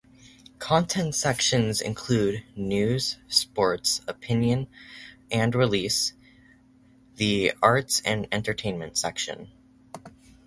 Content sections include News, Sports, Opinion, and Release, the arts and entertainment section.